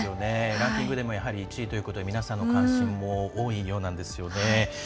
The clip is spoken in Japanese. ランキングでも１位ということで皆さんの関心も多いようなんですよね。